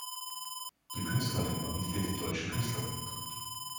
Die Künstlerin war Mitglied im Deutschen Künstlerbund.